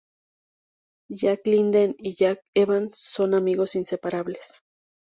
Jack Linden y Hank Evans son amigos inseparables.